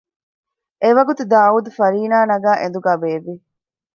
އެވަގުތު ދާއޫދު ފަރީނާ ނަގައި އެނދުގައި ބޭއްވި